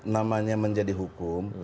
namanya menjadi hukum